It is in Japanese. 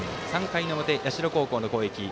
３回の表、社高校の攻撃